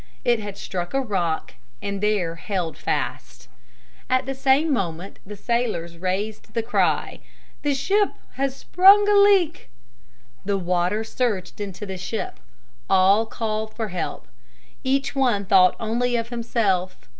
It had struck a rock and there held fast. At the same moment the sailors raised the cry, "The ship has sprung a leak!" The water surged into the ship. All called for help. Each one thought only of himself.